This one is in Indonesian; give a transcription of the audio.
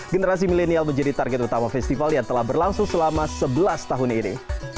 generasi milenial menjadi target utama festival yang telah berlangsung selama sebelas tahun ini